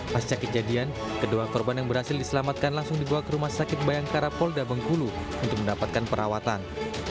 pasca kejadian kedua korban yang berhasil diselamatkan langsung dibawa ke rumah sakit bayangkara polda bengkulu untuk mendapatkan perawatan